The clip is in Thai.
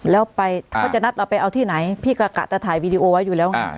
แล้วไปเขาจะนัดเราไปเอาที่ไหนพี่ก็กะจะถ่ายวีดีโอไว้อยู่แล้ว